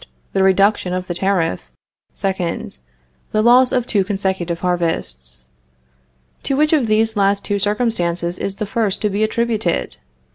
The reduction of the tariff. Second. The loss of two consecutive harvests. To which of these last two circumstances is the first to be attributed?